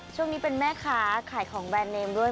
ช่วงนี้เป็นแม่ค้าขายของแบรนด์เนมด้วย